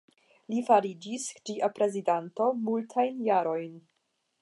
Li fariĝis ĝia prezidanto multajn jarojn.